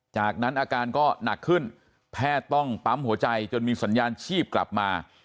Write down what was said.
จากนั้นอาการก็หนักขึ้นแพทย์ต้องปั๊มหัวใจจนมีสัญญาณชีพกลับมา